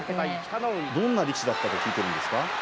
どんな力士だと聞いているんですか？